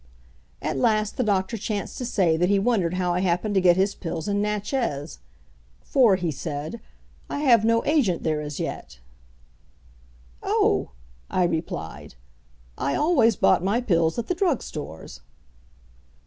At last, the doctor chanced to say that he wondered how I happened to get his pills in Natchez, "for," said he, "I have no agent there as yet." "Oh!" I replied, "I always bought my pills at the drug stores."